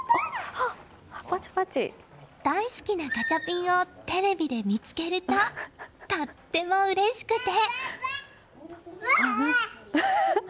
大好きなガチャピンをテレビで見つけるととってもうれしくて。